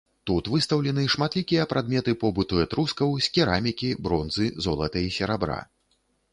Тут выстаўлены шматлікія прадметы побыту этрускаў з керамікі, бронзы, золата і серабра.